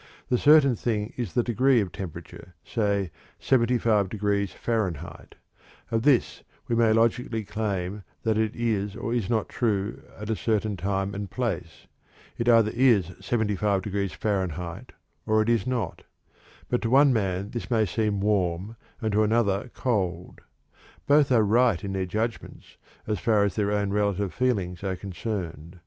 The certain thing is the degree of temperature, say 75 degrees Fahrenheit; of this we may logically claim that it is or is not true at a certain time or place. It either is 75 degrees Fahrenheit or it is not. But to one man this may seem warm and to another cold; both are right in their judgments, so far as their own relative feelings are concerned.